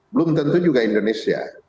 belum tentu juga indonesia